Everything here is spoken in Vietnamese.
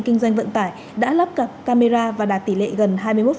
kinh doanh vận tải đã lắp cặp camera và đạt tỷ lệ gần hai mươi một